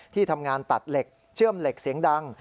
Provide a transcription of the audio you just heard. ที่ทำงานตัดเหล็กเชื่อมเหล็กเสียงดัง